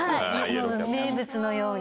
名物のように。